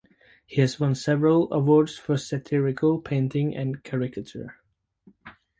He has won several awards for satirical painting and caricature.